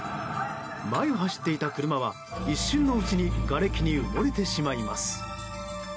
前を走っていた車は一瞬のうちにがれきに埋もれてしまいます。